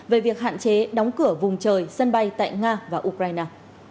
về việc hạn chế đóng cửa vùng trời sân bay tại nga và ukraine